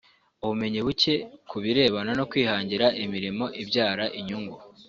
ubumenyi buke ku birebana no kwihangira imirimo ibyara inyungu